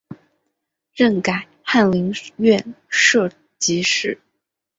任改翰林院庶吉士。